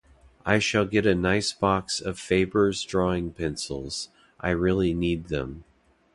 I shall get a nice box of Faber's drawing pencils; I really need them.